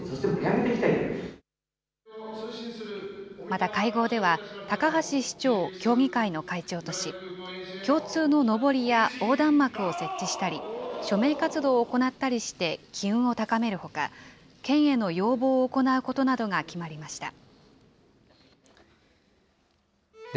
また会合では、高橋市長を協議会の会長とし、共通ののぼりや横断幕を設置したり、署名活動を行ったりして機運を高めるほか、県への要望を行うことなどが決まりました。